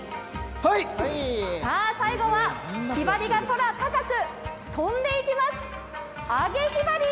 さあ、最後はひばりが空高く飛んでいきます、揚げひばり！